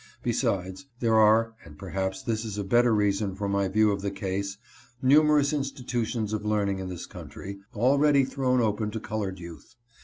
Besides, there are (and perhaps this is a better reason for my view of the case) numerous institutions of learning in this country, already thrown open to colored youth.